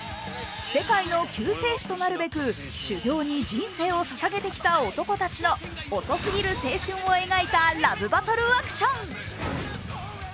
世界の救世主となるべく修行に人生をささげてきた男たちの遅すぎる青春を描いたラブバトルアクション。